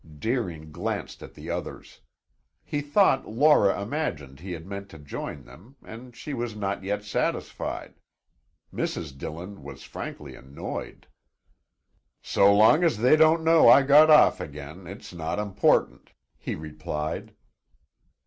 Deering glanced at the others. He thought Laura imagined he had meant to join them and she was not yet satisfied. Mrs. Dillon was frankly annoyed. "So long as they don't know I got off again, it's not important," he replied.